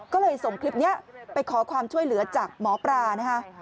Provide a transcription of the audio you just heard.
ก็เลยส่งคลิปนี้ไปขอความช่วยเหลือจากหมอปลานะคะ